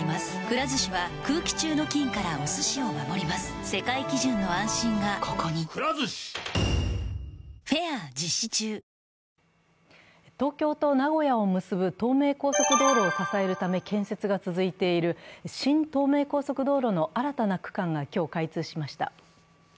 実況も大興奮の活躍に本人は、東京と名古屋を結ぶ東名高速道路を支えるため建設が続いている新東名高速道路の新たな区間が今日開通しました。